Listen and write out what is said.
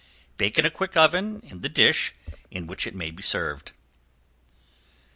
Bake in a quick oven in the dish in which it may be served.